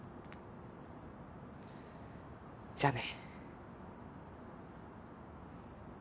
じゃあね。